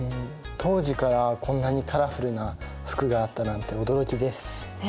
当時からこんなにカラフルな服があったなんて驚きです。ね。